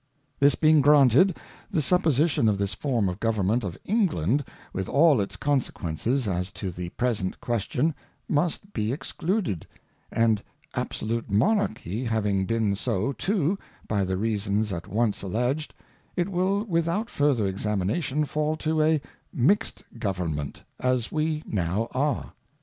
~ This being granted, the Supposition of this Form of Govern ment of England, with all its Consequences as to the present Question, must be excluded, and Absolute Monarchy having been so too by the Reasons at once alledged, it will without further Examination fall to a Mixt Government, as we now are.